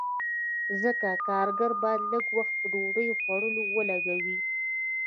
ځکه کارګر باید لږ وخت په ډوډۍ خوړلو ولګوي